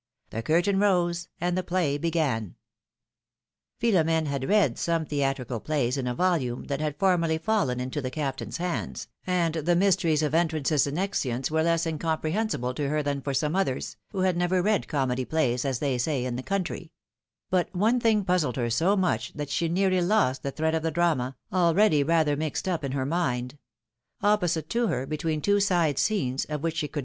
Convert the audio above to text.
The curtain rose and the play began. Philom^ne had read some theatrical plays in a volume that had formerly fallen into the Captain's hands, and the mysteries of entrances and exeunts were less incompre hensible to her than for some others, who had never read "comedy plays," as they say in the country; but one thing puzzled her so much that she nearly lost the thread of the drama, already rather mixed up in her mind: opposite to her, between tw^o side scenes, of which she could 216 philomI:ke's marriages.